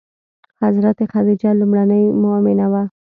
حضرت خدیجه لومړنۍ مومنه وه.